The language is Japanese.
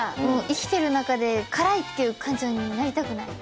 生きてる中で辛いっていう感情になりたくない。